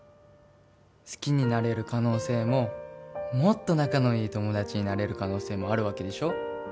好きになれる可能性ももっと仲のいい友達になれる可能性もあるわけでしょ？